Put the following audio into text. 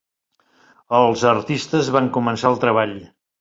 Els artistes van començar el treball